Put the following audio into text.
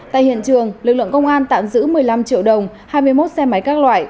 tại hiện trường lực lượng công an tạm giữ một mươi năm triệu đồng hai mươi một xe máy các loại